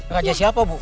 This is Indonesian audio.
raja siapa bu